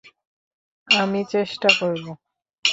আমি চেষ্টা করব।